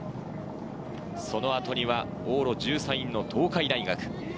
その後には往路１３位の東海大学。